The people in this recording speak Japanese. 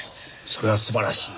それは素晴らしい。